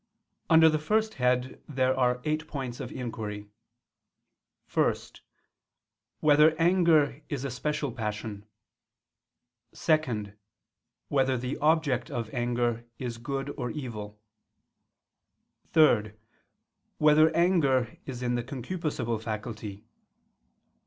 Under the first head there are eight points of inquiry: (1) Whether anger is a special passion? (2) Whether the object of anger is good or evil? (3) Whether anger is in the concupiscible faculty?